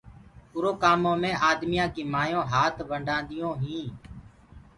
اُرو ڪآمو مي آدميآ ڪي مايونٚ هآت ونڊآ دِيونٚ هينٚ۔